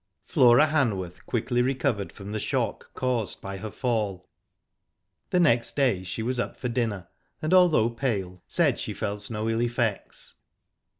Flora HanwoRTH quickly recovered from the shock caused by her fall. The next day she was up for dinner, and although pale, said she felt no ill effects.